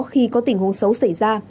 khi có tình huống xấu xảy ra